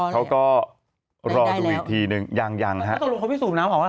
เขาก็รอดูอีกทีหนึ่งยั่งนะฮะ